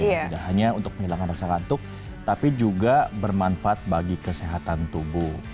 tidak hanya untuk menghilangkan rasa kantuk tapi juga bermanfaat bagi kesehatan tubuh